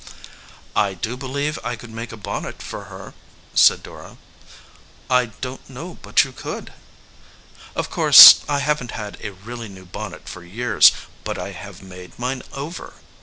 "I do believe I could make a bonnet for her," said Dora. "I don t know but you could." "Of course, I haven t had a really new bonnet for years, but I have made mine over."